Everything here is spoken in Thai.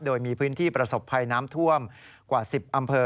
โดยมีพื้นที่ประสบภัยน้ำท่วมกว่า๑๐อำเภอ